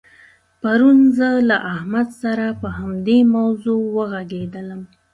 پرون زه له احمد سره په همدې موضوع وغږېدلم.